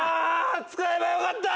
使えばよかった！